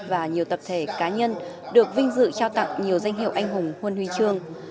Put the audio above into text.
và nhiều tập thể cá nhân được vinh dự trao tặng nhiều danh hiệu anh hùng huân huy trương